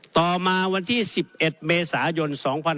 ต่อมาวันที่๑๑เมษายน๒๕๖๒